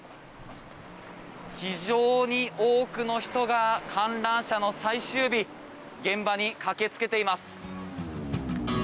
非常に多くの人が観覧車の最終日現場に駆けつけています。